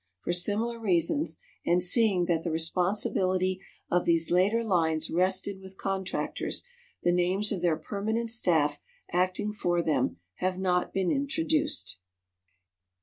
For similar reasons and seeing that the responsibility of these later lines rested with contractors the names of their permanent staff acting for them have not been introduced.